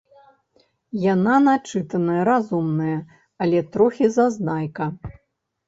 Яна начытаная, разумная, але трохі зазнайка.